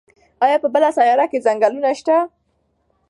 ایا په بله سیاره کې ځنګلونه شته؟